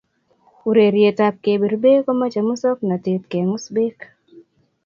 Urerietab kebir beek ko mochei musoknoteetab kengus beek